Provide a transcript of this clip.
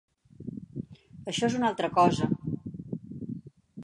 Això és una altra cosa.